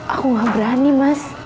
aku gak berani mas